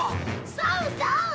そうそう！